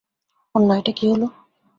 অন্যায়টা কী হল?